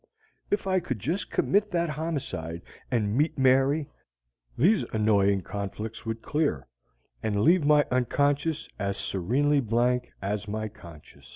If I could just commit that homicide and meet Mary, these annoying conflicts would clear and leave my unconscious as serenely blank as my conscious.